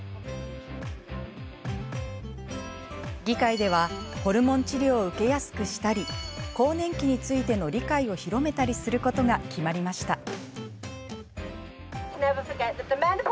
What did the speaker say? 議会ではホルモン治療を受けやすくしたり更年期についての理解を広めたりすることが決まりました。